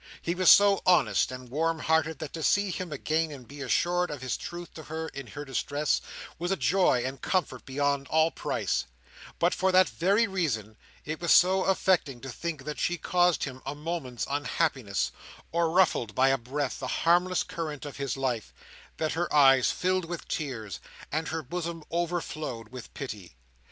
He was so honest and warm hearted, that to see him again and be assured of his truth to her in her distress, was a joy and comfort beyond all price; but for that very reason, it was so affecting to think that she caused him a moment's unhappiness, or ruffled, by a breath, the harmless current of his life, that her eyes filled with tears, and her bosom overflowed with pity.